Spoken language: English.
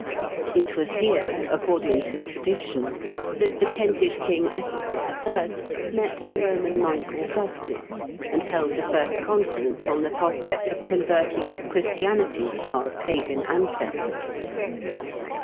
It was here, according to tradition, that the Kentish king, Ethelbert L, met the Eoman monk, Augustine, and held the first conference on the prospect of converting to Christianity our pagan ancestors.